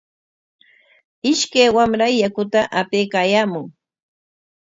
Ishkaq wamra yakuta apaykaayaamun.